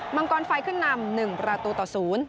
มังกรไฟขึ้นนำ๑ประตูต่อ๐